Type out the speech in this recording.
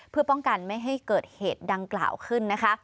เพื่อป้องกันไม่ให้เกิดเหตุดังกล่าวขึ้นนะคะ